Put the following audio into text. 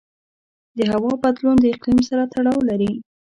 د هوا بدلون د اقلیم سره تړاو لري.